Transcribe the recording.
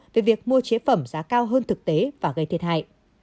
về việc mua chế phẩm giá cao hơn thực tế và gây thiệt hại